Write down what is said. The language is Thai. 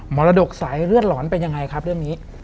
รดกสายเลือดหลอนเป็นยังไงครับเรื่องนี้